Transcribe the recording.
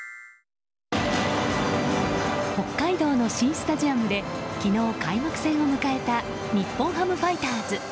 北海道の新スタジアムで昨日、開幕戦を迎えた日本ハムファイターズ。